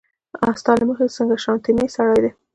ستا له مخې څنګه شانتې سړی دی